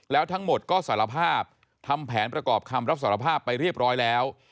แล้วทั้งหมดก็สารภาพทำแผนประกอบคำรับสารภาพไปเรียบร้อยแล้ว